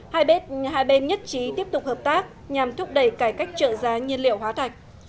hai bên nhất trí tiếp tục hợp tác nhằm thúc đẩy cải cách trợ giá nhiên liệu hóa thạch